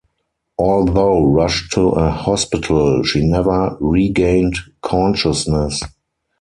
Although rushed to a hospital, she never regained consciousness.